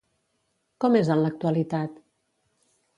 Com és en l'actualitat?